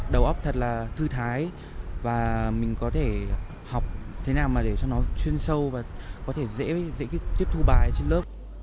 đầu óc thật là thư thái và mình có thể học thế nào mà để cho nó chuyên sâu và có thể dễ tiếp thu bài trên lớp